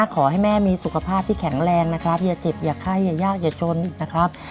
ขอให้แม่มีสุขภาพที่แข็งแรงนะครับอย่าเจ็บอย่าไข้อย่ายากอย่าจนนะครับ